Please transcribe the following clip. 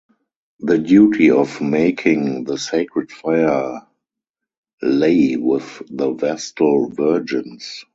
The duty of making the sacred fire lay with the Vestal virgins.